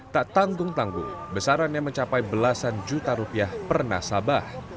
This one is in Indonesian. tak tanggung tanggung besarannya mencapai belasan juta rupiah per nasabah